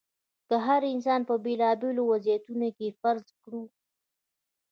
که هر انسان په بېلابېلو وضعیتونو کې فرض کړو.